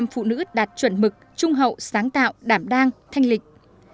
phụ nữ đạt chuẩn mực trung hậu sáng tạo đảm đang thanh lịch